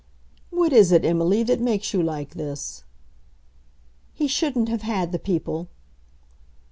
"What is it, Emily, that makes you like this?" "He shouldn't have had the people."